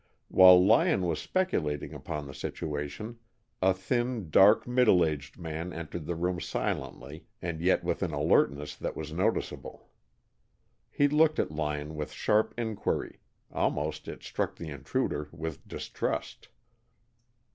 While Lyon was speculating upon the situation, a thin dark middle aged man entered the room silently and yet with an alertness that was noticeable. He looked at Lyon with sharp inquiry almost, it struck the intruder, with distrust.